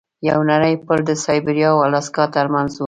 یو نری پل د سایبریا او الاسکا ترمنځ و.